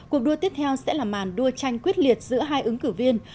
cuộc đua tiếp theo sẽ là màn đua tranh quyết liệt giữa hai ứng cử viên